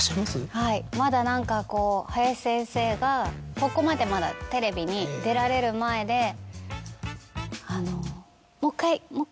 はいまだ何かこう林先生がここまでまだテレビに出られる前であの。